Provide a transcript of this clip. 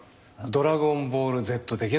『ドラゴンボールＺ』的な事です。